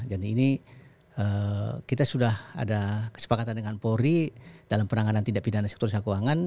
jadi ini kita sudah ada kesepakatan dengan polri dalam penanganan tindak pinjaman sektor usaha keuangan